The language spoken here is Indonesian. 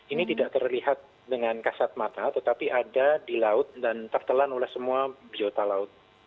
ini tidak terlihat dengan kasat mata tetapi ada di laut dan tertelan oleh semua biota laut